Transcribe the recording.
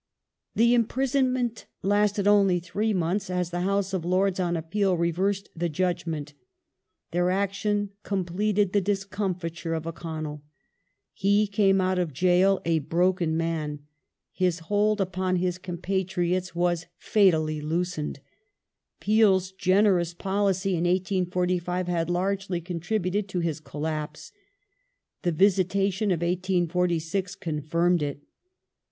The imprisonment lasted only three months, as the House of Lords, on appeal, reversed the judgment. Their action completed the discomfiture of O'Connell ; he came out of gaol a broken man ; his hold upon his compatriots was fatally loosened ; Peel's generous policy in 1845 had largely contributed to his collapse ; the visitation of 1846 confirmed it.